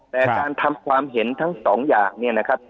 แต่การทำความเห็นทั้งสองอย่างเนี่ยนะครับ